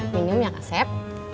minum ya kak sep